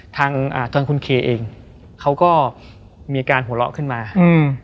อ่าทางคุณเคเองเขาก็มีการหัวเราะขึ้นมาอืม